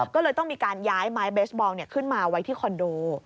ก็เลยต้องมีการย้ายไม้เบสบอลขึ้นมาไว้ที่คอนโด